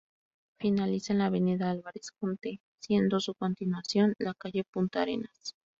Finaliza en la Avenida Álvarez Jonte, siendo su continuación la calle "Punta Arenas".